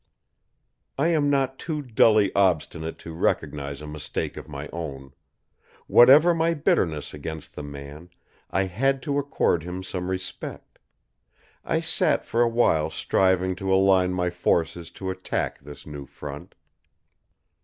I am not too dully obstinate to recognize a mistake of my own. Whatever my bitterness against the man, I had to accord him some respect. I sat for a while striving to align my forces to attack this new front.